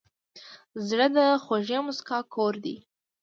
زړه د خوږې موسکا کور دی.